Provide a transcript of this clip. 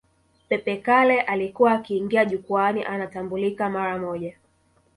Pepe Kalle alikuwa akiingia jukwani anatambulika mara moja